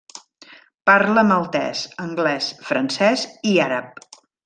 Parla Maltès, anglès, francès i àrab.